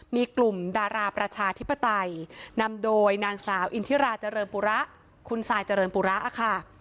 มีกลุ่มดาราประชาธิปไตยนำโดยนางสาวอินทิราเจริญปุระคุณทรายเจริญปุระค่ะ